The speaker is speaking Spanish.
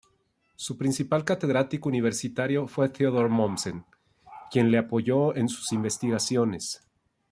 Su principal catedrático universitario fue Theodor Mommsen, quien le apoyó en sus investigaciones.